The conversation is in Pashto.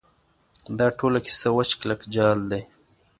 دا ټوله کیسه وچ کلک جعل دی.